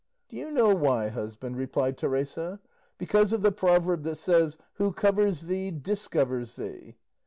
"Do you know why, husband?" replied Teresa; "because of the proverb that says 'who covers thee, discovers thee.